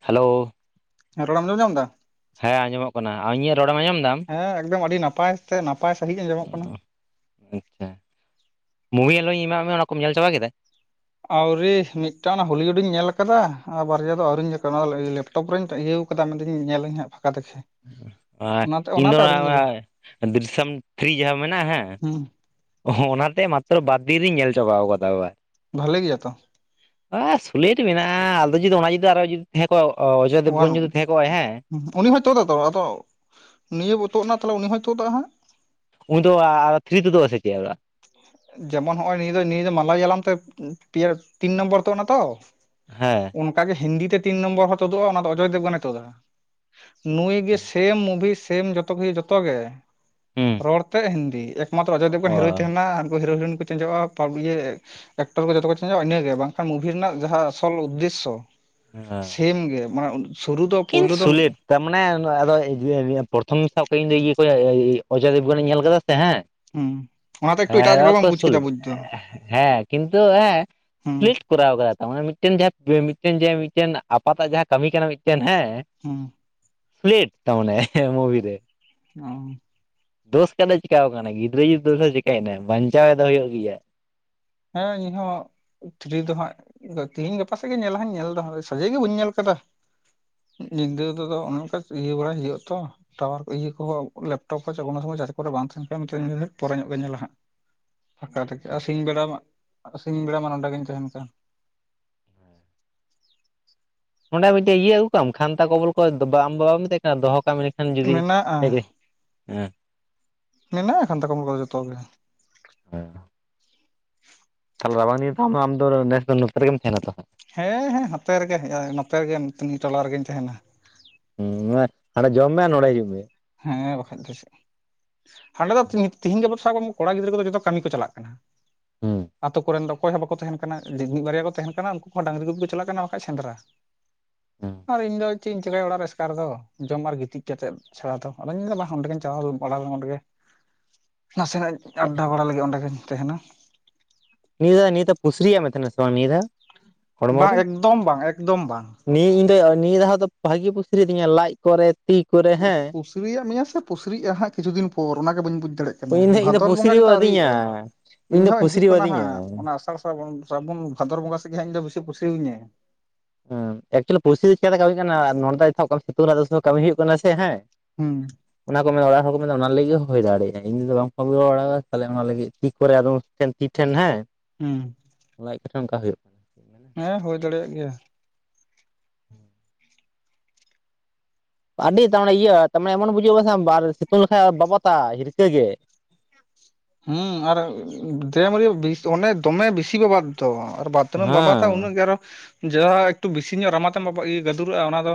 Hello ᱦᱮᱸ ᱨᱚᱲ ᱮᱢ ᱟᱡᱚᱢ ᱧᱟᱢ ᱮᱫᱟ ᱦᱮᱸ ᱟᱸᱡᱚᱢᱚᱜ ᱠᱟᱱᱟ ᱟ ᱤᱧᱟᱹᱜ ᱨᱚᱲᱮᱢ ᱟᱸᱡᱚᱢ ᱫᱟᱢ ᱦᱮᱸ ᱮᱠᱫᱚᱢ ᱟᱹᱰᱤ ᱱᱟᱯᱟᱭ ᱛᱮ ᱱᱟᱯᱟᱭ ᱥᱟᱺᱦᱤᱡ ᱟᱡᱚ ᱢᱚᱜ ᱠᱟᱱᱟ ᱟᱪᱪᱷᱟ ᱢᱩᱵᱷᱤ [unintelligible] ᱧᱮᱞᱮᱱᱞᱚ ᱤᱧ ᱮᱢᱟᱜ ᱢᱮ ᱚᱱᱟ ᱠᱩᱢ ᱧᱮᱞ ᱪᱟᱵᱟ ᱠᱮᱫᱟ ᱟᱣᱨᱤ ᱢᱤᱫᱴᱟᱝ ᱦᱚᱞᱤᱤᱭᱣᱩᱰᱤᱧ ᱧᱮᱞ ᱟᱠᱟᱫᱟ ᱟᱨ ᱵᱟᱨᱭᱟ ᱫᱚ ᱟᱹᱣᱨᱤᱧ ᱧᱮ ᱠᱟ ᱠᱚᱣᱟ ᱞᱮᱯ ᱴᱚᱯ ᱨᱮᱧ ᱤᱭᱟᱹ ᱟᱠᱟᱫᱟ ᱢᱮᱱᱮᱫᱤᱧ ᱧᱮᱞᱤᱧᱦᱟᱸᱜ ᱯᱷᱟᱸᱠᱟ ᱫᱮᱠᱷᱮ ᱟᱸ ᱤᱧ ᱫᱚ [unintelligible] ᱫᱤᱨᱥᱟᱢ ᱛᱷᱨᱤ ᱡᱟᱦᱟᱸ ᱢᱮᱱᱟᱜᱼᱟ ᱦᱮᱸ ᱦᱩᱸ ᱚᱽᱱᱟᱛᱮ ᱢᱟᱛᱨᱚ ᱵᱟᱨ ᱫᱤᱱ ᱨᱤᱧ ᱧᱮᱞ ᱪᱟᱵᱟᱣ ᱟᱠᱟᱫᱟ [unintelligible] ᱵᱷᱟᱞᱮ ᱜᱮᱭᱟ ᱛᱚ ᱟ ᱥᱩᱞᱮᱴ ᱢᱮᱱᱟᱜ-ᱟ ᱟᱫᱚ ᱡᱩᱫᱤ ᱚᱱᱟ ᱡᱩᱫᱤ ᱟᱨᱚ ᱡᱩᱫᱤ ᱛᱟᱦᱮ ᱠᱚᱜ-ᱟ ᱚᱣᱟᱱ ᱚᱡᱚᱭᱫᱮᱵᱜᱚᱱ ᱡᱩᱫᱤ ᱛᱟᱦᱮ ᱠᱚᱜ-ᱟ ᱦᱮᱸ ᱩᱱᱤ ᱦᱚᱭ ᱛᱩᱫᱟᱠᱚ ᱛᱚ ᱟᱫᱚ ᱱᱤᱭᱟᱹ ᱵᱚ ᱛᱩᱫ ᱮᱱᱟ ᱛᱟᱦᱚᱞᱮ ᱩᱱᱤ ᱦᱚᱭ ᱛᱩᱫᱟᱠᱚ ᱦᱟᱜ ᱩᱱ ᱫᱚ ᱟᱨ ᱛᱷᱨᱤ ᱛᱚᱫᱟᱜ ᱟᱥᱮ ᱪᱮᱫ ᱟᱨᱚ ᱡᱮᱢᱚᱱ ᱱᱚᱜ-ᱚᱭ ᱱᱤᱭᱟᱹ ᱱᱤᱭᱟᱹ ᱫᱚ ᱢᱟᱞᱟ ᱡᱟᱞᱟᱢ ᱛᱮ ᱯᱮᱭᱟ ᱛᱤᱱ ᱱᱚᱢᱵᱚᱨ ᱛᱚᱜ ᱱᱟᱛᱚ ᱦᱮ ᱚᱱᱠᱟᱟᱜᱮ ᱦᱤᱱᱫᱤ ᱛᱮ ᱛᱤᱱ ᱱᱚᱢᱵᱚᱨ ᱦᱚᱸ ᱛᱩᱫᱩᱜ-ᱟ ᱚᱱᱟ ᱫᱚ ᱚᱡᱚᱭ ᱫᱮᱵ ᱜᱚᱱᱮ ᱛᱩᱫᱟ ᱱᱩᱭ ᱜᱮ ᱥᱮᱢ ᱢᱩᱵᱷᱤ ᱥᱮᱢ ᱡᱚᱛᱚ ᱠᱚᱜᱮ ᱡᱚᱛᱚ ᱜᱮ ᱦᱩᱸ ᱨᱚᱲ ᱛᱮ ᱦᱤᱱᱫᱤ ᱮᱠᱢᱟᱛᱨᱚ ᱚᱡᱚᱭᱫᱮᱵᱽ ᱠᱷᱚᱱ ᱚ ᱦᱤᱨᱳᱭ ᱛᱟᱦᱮᱱᱟ ᱩᱱᱠᱩ ᱦᱤᱨᱳ ᱨᱤᱱ ᱠᱚ ᱪᱮᱸᱡᱚᱜ-ᱟ ᱯᱟᱜ ᱮᱠᱴᱚᱨ ᱠᱚ ᱡᱚᱛᱚ ᱠᱚ ᱪᱟᱞᱟᱜ-ᱟ ᱤᱱᱟᱹᱜᱮ ᱵᱟᱝᱠᱷᱟᱱ ᱢᱩᱵᱷᱤ ᱨᱮᱱᱟᱜ ᱡᱟᱦᱟᱸ ᱟᱥᱚᱞ ᱩᱫᱽᱫᱮᱥᱥᱚ [unintelligible] ᱯᱷᱮᱢ ᱜᱮ ᱢᱟᱱᱮ ᱥᱩᱨᱩ ᱫᱚ ᱠᱤᱱ ᱯᱳᱭᱞᱳ ᱫᱚ ᱥᱩᱞᱮᱴ ᱛᱟᱨᱢᱟᱱᱮ ᱟᱫᱚ ᱯᱨᱚᱛᱷᱚᱢ ᱥᱟᱵᱟᱜ ᱤᱧ ᱤᱭᱟᱹ ᱠᱚ ᱚᱡᱚᱭᱫᱮᱵ ᱜᱚᱱᱤᱧ ᱧᱮᱞ ᱟᱠᱟᱫᱟ ᱥᱮ ᱦᱮ ᱦᱩᱸ ᱚᱱᱟᱛᱮ ᱮᱠᱴᱩ ᱦᱮ ᱮᱴᱟᱜ ᱧᱚᱜ ᱨᱮᱠᱚ ᱵᱟᱢ ᱵᱩᱡ ᱠᱮᱫᱟ ᱥᱩᱞᱮᱴ ᱵᱩᱡ ᱫᱚ ᱦᱮ ᱠᱤᱱᱛᱩ ᱦᱮ ᱦᱩᱸ ᱥᱩᱞ ᱠᱚᱨᱟᱣ ᱠᱟᱫᱟ ᱛᱟᱱᱮ ᱢᱤᱫᱴᱮᱱ ᱡᱟᱦᱟᱸ ᱢᱤᱫᱴᱮᱱ ᱢᱤᱫᱴᱮᱱ ᱟᱯᱟᱛᱟᱜ ᱡᱟᱦᱟᱸ ᱠᱟᱹᱢᱤ ᱠᱟᱱᱟ ᱢᱤᱫᱴᱮᱱ ᱦᱮ ᱦᱮᱸ ᱥᱩᱞᱮᱴ ᱛᱟ ᱢᱟᱱᱮ ᱢᱩᱵᱷᱤ ᱨᱮ ᱚ ᱫᱳᱥ ᱠᱟᱛᱮ ᱪᱮᱤᱠᱣ ᱟᱠᱟᱱᱟᱭ ᱜᱤᱫᱽᱨᱟᱹ ᱡᱩᱫᱤ ᱫᱳᱥ ᱮ ᱪᱮᱠᱟᱹᱭᱮᱱᱟᱭ ᱵᱟᱧᱪᱟᱣ ᱮ ᱫᱚ ᱦᱩᱭᱩᱜ ᱜᱮᱭᱟ ᱦᱮ ᱤᱧ ᱦᱚ ᱛᱷᱨᱤ ᱫᱚ ᱦᱟᱜ ᱛᱤᱦᱤᱧ ᱜᱟᱯᱟ ᱥᱮᱫ ᱜᱮ ᱧᱮᱞᱟ ᱦᱟᱜ ᱧᱮᱞ ᱫᱚ ᱦᱟᱜ ᱥᱟᱡᱮ ᱜᱮ ᱵᱟᱹᱧ ᱧᱮᱞ ᱠᱟᱫᱟ ᱟᱠᱟᱫᱟ ᱧᱤᱫᱟᱹ ᱛᱮᱫᱚ ᱚᱱᱮ ᱚᱱᱠᱟ ᱤᱭᱟᱹ ᱵᱟᱲᱟᱭ ᱦᱩᱭᱩᱜ ᱟᱛᱚ ᱴᱟᱣᱟᱨ ᱠᱚ ᱤᱭᱟᱹ ᱠᱚᱦᱚ ᱞᱮᱯᱴᱚᱵ ᱠᱚ [unintelligible] ᱥᱚᱢᱚᱭ ᱪᱟᱨᱡ ᱠᱚᱨᱮ ᱵᱟᱝ ᱛᱟᱦᱮᱱ ᱠᱷᱟᱱᱮ ᱯᱚᱨᱮ ᱜᱮ ᱧᱮᱞᱮ ᱦᱟᱜ ᱯᱷᱟᱠᱟ ᱛᱮᱠᱮ ᱟᱨ ᱥᱤᱧ ᱵᱮᱲᱟ ᱢᱟ ᱥᱤᱝ ᱵᱮᱲᱟ ᱢᱟ ᱱᱚᱰᱮ ᱜᱤᱧ ᱛᱟᱦᱮᱱ ᱠᱟᱱ ᱚᱸᱰᱮ ᱢᱤᱫᱴᱮᱡ ᱤᱭᱟᱹ ᱟᱹᱜᱩ ᱠᱟᱢ ᱠᱷᱟᱱᱛᱟ ᱠᱚᱵᱚᱞ ᱠᱚ ᱵᱟ ᱟᱢ ᱵᱟᱢ ᱢᱮᱛᱟᱭ ᱠᱟᱱᱟ ᱫᱚᱦᱚ ᱠᱟᱜ-ᱟᱢ ᱟᱱ ᱡᱩᱫᱤ ᱢᱮᱱᱟᱜᱼᱟ ᱦᱮᱜ ᱦᱮ ᱢᱮᱱᱟᱜ-ᱟ ᱠᱟᱱᱛᱷᱟ ᱠᱚᱢᱵᱟᱞ ᱠᱚ ᱡᱚᱛᱚ ᱜᱮ [unintelligible] [unintelligible] ᱛᱟᱦᱮ ᱨᱟᱵᱟᱝ ᱱᱤᱛ ᱫᱚ ᱟᱢᱫᱚ ᱱᱮᱥ ᱫᱚ ᱱᱚᱛᱮ ᱨᱮᱜᱮᱢ ᱛᱟᱦᱮᱱᱟ ᱛᱚ ᱦᱮ ᱦᱮ ᱱᱚᱛᱮ ᱨᱮᱜᱮ ᱦᱮᱡ-ᱟ ᱱᱚᱛᱮ ᱨᱮᱜᱮ ᱛᱤᱭᱟ ᱴᱚᱞᱟ ᱨᱮᱜᱮᱧ ᱛᱟᱦᱮᱱᱟ ᱦᱩ ᱦᱟᱸᱰᱮ ᱡᱚᱢ ᱢᱮ ᱱᱚᱸᱰᱮ ᱦᱤᱡᱩᱜ ᱢᱮ ᱦᱮ ᱵᱟᱠᱷᱟᱱ ᱫᱚ ᱪᱮᱫ ᱟᱞᱮᱫᱚ ᱫᱚ ᱛᱤᱦᱤᱧ ᱜᱟᱯᱟ ᱥᱟᱵ ᱠᱚᱲᱟ ᱜᱤᱫᱽᱨᱟᱹ ᱫᱚ ᱡᱚᱛᱚ ᱠᱟᱹᱢᱤ ᱠᱚ ᱪᱟᱞᱟᱜ ᱠᱟᱱᱟ ᱦᱩᱸ ᱟᱛᱳ ᱠᱚᱨᱮᱱ ᱫᱚ ᱚᱠᱚᱭ ᱦᱚ ᱵᱟᱠᱚ ᱛᱟᱦᱮᱱ ᱠᱟᱱᱟ ᱢᱤᱫ ᱵᱟᱨᱭᱟ ᱠᱚ ᱛᱟᱦᱮᱱ ᱠᱟᱱᱟ ᱩᱱᱠᱩ ᱦᱚ ᱰᱟᱝᱨᱤ ᱠᱚᱜᱮ ᱠᱚ ᱪᱟᱞᱟᱜ ᱠᱟᱱᱟ ᱵᱟᱠᱷᱟᱡ ᱥᱮᱸᱫᱽᱨᱟ ᱦᱩᱸ ᱟᱨ ᱤᱧᱫᱚ ᱪᱮᱫ ᱤᱧ ᱪᱤᱠᱟᱹᱭᱟ ᱚᱲᱟᱜ ᱨᱮ ᱮᱥᱠᱟᱨ ᱨᱮᱫᱚ ᱡᱚᱢ ᱟᱨ ᱜᱤᱛᱤᱡ ᱠᱟᱛᱮᱫ ᱪᱷᱟᱲᱟ ᱫᱚ ᱚᱫᱚᱧ ᱢᱮᱱᱫᱟ ᱵᱟᱝ ᱚᱰᱮᱜᱤᱧ ᱪᱟᱞᱟᱣ ᱵᱟᱲᱟ ᱞᱮ ᱚᱸᱰᱮ ᱜᱮ ᱱᱟᱥᱮᱱᱟᱜ ᱟᱰᱰᱟ ᱵᱟᱲᱟ ᱞᱟᱹᱜᱤᱫ ᱚᱸᱰᱮᱜᱤᱧ ᱛᱟᱦᱮᱱᱟ᱾ ᱱᱤᱭᱟᱹ ᱫᱷᱟᱣ ᱫᱚ ᱯᱩᱥᱨᱤᱭᱟ ᱢᱮ ᱛᱟᱦᱮᱱᱟ ᱵᱟᱝ ᱱᱤᱭᱟᱹ ᱫᱷᱟᱣ ᱦᱚᱲᱢᱚ ᱨᱮ ᱵᱟᱝ ᱮᱠᱫᱚᱢ ᱵᱟᱝ ᱮᱠᱫᱚᱢ ᱵᱟᱝ ᱱᱤᱭᱟᱹ ᱤᱧ ᱫᱚ ᱱᱤᱭᱟᱹ ᱫᱷᱟᱣ ᱫᱚ ᱵᱷᱟᱜᱤ ᱯᱩᱥᱤᱨᱤᱫᱤᱧᱟ ᱞᱟᱡ ᱠᱚᱨᱮ ᱛᱤ ᱠᱚᱨᱮ ᱦᱮᱸ ᱯᱩᱥᱤᱨᱤᱭᱟᱜ ᱢᱮᱭᱟ ᱥᱮ ᱯᱩᱥᱤᱨᱤᱭᱟᱜ ᱦᱟᱜ ᱠᱤᱪᱷᱩ ᱫᱤᱱ ᱯᱚᱨ ᱚᱱᱟ ᱜᱮ ᱵᱟᱹᱧ ᱵᱩᱡᱽ ᱫᱟᱲᱮ ᱤᱧ ᱫᱚ ᱤᱧ ᱫᱚ ᱵᱷᱟᱫᱚᱨ ᱵᱚᱸᱜᱟ ᱯᱩᱥᱨᱤᱣ ᱜᱮᱛᱚ ᱟᱹᱣᱨᱤᱭᱮᱫ-ᱟ ᱟᱹᱫᱤᱧᱟ ᱤᱧ ᱫᱚ ᱦᱚ ᱦᱤᱡᱩᱜ ᱯᱩᱥᱨᱤᱣ ᱠᱟᱱᱟ ᱦᱟᱜ ᱟᱹᱫᱤᱧᱟ ᱚᱱᱟ ᱟᱥᱟᱲ ᱥᱟᱵᱚᱱ ᱵᱷᱟᱫᱚᱨ ᱵᱚᱸᱜᱟ ᱥᱮᱫ ᱜᱮ ᱤᱧ ᱫᱚ ᱵᱮᱥᱤ ᱠ ᱯᱩᱥᱨᱤᱧᱟᱹ ᱦᱩ ᱮᱠᱪᱩᱭ ᱯᱩᱥᱨᱤ ᱪᱤᱠᱟᱛᱮ ᱠᱟᱹᱢᱤ ᱠᱟᱱᱟ ᱱᱚᱰᱮ ᱫᱚ ᱮ ᱥᱤᱛᱩᱝ ᱨᱮᱱᱟᱜ ᱫᱚ ᱠᱟᱹᱢᱤ ᱦᱩᱭᱩᱜ ᱠᱟᱱᱟ ᱥᱮ ᱦᱮ ᱦᱩ ᱚᱱᱟ ᱠᱚ ᱢᱮᱱᱫᱟ ᱚᱲᱟᱜ ᱦᱚᱲ ᱠᱚ ᱢᱮᱱᱫᱟ ᱚᱱᱟ ᱞᱟᱹᱜᱤᱫ ᱦᱳᱭ ᱫᱟᱲᱮᱭᱟᱜᱼᱟ᱾ [unintelligible] ᱵᱟᱝᱠᱚ ᱟᱜᱩ ᱵᱟᱲᱟᱣ ᱠᱟᱫᱟ ᱛᱟᱦᱚᱞᱮ ᱚᱱᱟ ᱞᱟᱹᱜᱤᱫ ᱛᱤ ᱠᱚᱨᱮ ᱟᱫᱚᱢ ᱮᱱ ᱛᱤ ᱴᱷᱮᱱ ᱦᱮᱸ ᱦᱩᱸ᱾ ᱞᱟᱡᱽ ᱠᱟᱴᱟ ᱚᱝᱠᱟ ᱦᱳᱭᱳᱜ ᱦᱮᱸ ᱦᱳᱭ ᱫᱟᱲᱮᱭᱟᱜ ᱜᱮᱭᱟ᱾ ᱟᱹᱰᱤ ᱛᱟᱨᱢᱥᱱᱮ ᱤᱭᱟ ᱛᱟᱨᱢᱟᱱᱮ ᱮᱢᱚᱱ ᱵᱩᱡᱩᱜᱼᱟ ᱥᱮ ᱥᱤᱛᱩᱝ ᱞᱮᱠᱷᱟᱱᱡ ᱵᱟᱵᱟᱛᱟᱭ ᱦᱤᱨᱠᱟᱹ ᱜᱮ᱾ ᱦᱩᱸ ᱟᱨ ᱫᱮᱢᱟᱹᱨᱭᱟᱹ ᱚᱸᱰᱮ ᱫᱚᱢᱮ ᱵᱮᱥᱤ ᱵᱟᱵᱟᱛ ᱾ ᱛᱚ ᱵᱟᱵᱟᱛᱟ ᱩᱱᱟᱹᱜ ᱦᱮᱸ ᱜᱮ ᱟᱨᱚ ᱡᱟᱦᱟᱸ ᱮᱠᱴᱩ ᱵᱮᱥᱤ ᱧᱚᱜ ᱨᱟᱢᱟ ᱛᱮᱢ ᱵᱟ ᱜᱟᱹᱫᱩᱨᱚᱜᱼᱟ ᱚᱱᱟ ᱫᱚ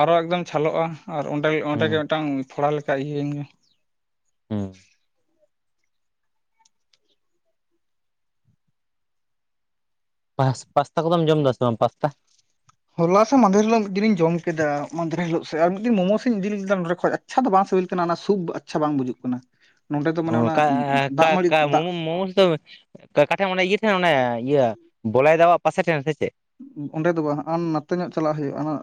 ᱟᱨᱚ ᱮᱠᱫᱚᱢ ᱪᱷᱟᱞᱚᱜᱼᱟ᱾ ᱟᱨ ᱚᱸᱰᱮ ᱚᱸᱰᱮᱜᱮ ᱦᱩᱸ ᱢᱤᱫᱴᱟᱝ ᱯᱷᱚᱲᱟ ᱞᱮᱠᱟ ᱤᱭᱟᱹᱭᱮᱱ ᱜᱮ. ᱾ ᱦᱩ ᱯᱟᱥᱛᱟ ᱠᱚᱫᱚᱢ ᱡᱚᱢ ᱮᱫᱟ ᱥᱮ ᱵᱟᱝ ᱯᱟᱥᱛᱟ ᱦᱚᱞᱟ ᱥᱮ ᱢᱟᱸᱫᱷᱮᱨ ᱦᱤᱞᱳᱜ ᱢᱤᱫ ᱫᱤᱱᱤᱧ ᱡᱚᱢ ᱠᱮᱫᱟ᱾ ᱢᱟᱸᱫᱷᱮᱨ ᱦᱤᱞᱳᱜ ᱥᱮᱡ ᱟᱨ ᱢᱤᱫ ᱫᱤᱱ ᱢᱳᱢᱳᱥ ᱤᱧ ᱤᱫᱤ ᱞᱮᱫᱟ ᱱᱚᱸᱰᱮ ᱠᱷᱚᱡ᱾ ᱟᱪᱪᱷᱟ ᱫᱚ ᱵᱟᱝ ᱥᱤᱵᱤᱞ ᱠᱟᱱᱟ᱾ ᱚᱱᱟ ᱥᱩᱯ ᱟᱪᱪᱷᱟ ᱵᱟᱝ ᱵᱩᱡᱩᱜ ᱠᱟᱱᱟ᱾ ᱱᱚᱸᱰᱮ ᱫᱚ ᱢᱟᱱᱮ ᱚᱱᱟ ᱚᱝᱠᱟ ᱫᱟᱜ ᱢᱟᱹᱲᱤ ᱠᱟ-ᱠᱟ ᱫᱟᱜ ᱢᱳ-ᱢᱳᱢᱳᱥ ᱫᱚ ᱠᱟᱴᱷᱮᱱ ᱚᱱ ᱤᱭᱟᱹ ᱴᱷᱮᱱ ᱚᱱᱮ ᱤᱭᱟᱹ ᱵᱚᱞᱟᱭ ᱫᱟ ᱣᱟᱜ ᱯᱟᱥᱮ ᱴᱷᱮᱱ ᱥᱮ ᱪᱮᱫ? ᱚᱸᱰᱮ ᱫᱚ ᱵᱟᱝ᱾ ᱦᱟᱜᱼᱟ ᱱᱟᱛᱮ ᱧᱚᱜ ᱪᱟᱞᱟᱜ ᱦᱩᱭᱩᱜᱼᱟ᱾